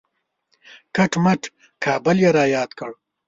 کټ مټ کابل یې را یاد کړ.